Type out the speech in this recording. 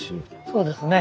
そうですね。